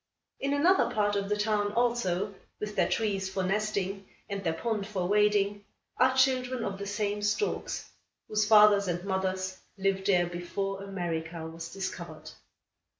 In another part of the town, also, with their trees for nesting, and their pond for wading, are children of the same storks, whose fathers and mothers lived there before America was discovered.